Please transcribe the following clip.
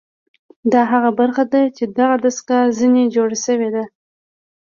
دا هغه برخه ده چې دغه دستګاه ځنې جوړه شوې ده